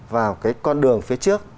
vào cái con đường phía trước